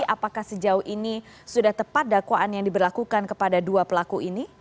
apakah sejauh ini sudah tepat dakwaan yang diberlakukan kepada dua pelaku ini